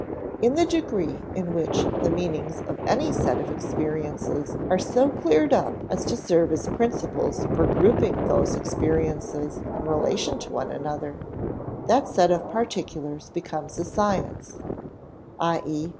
In the degree in which the meanings of any set of experiences are so cleared up as to serve as principles for grouping those experiences in relation to one another, that set of particulars becomes a science; _i.e.